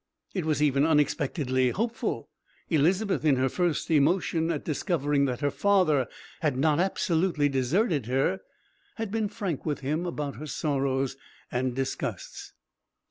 It was even unexpectedly hopeful. Elizabeth, in her first emotion at discovering that her father had not absolutely deserted her, had been frank with him about her sorrows and disgusts.